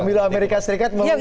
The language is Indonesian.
pemilih amerika serikat mencontohkan